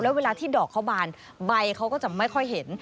แล้วเวลาที่ดอกเขาบานใบเขาก็จะไม่ค่อยเห็น